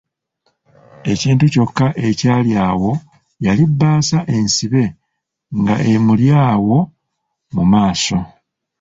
Ekintu kyokka ekyaliwo awo yali bbaasa ensibe nga emuli awo mu maaso.